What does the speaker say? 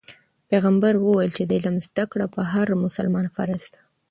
پیغمبر وویل چې د علم زده کړه په هر مسلمان فرض ده.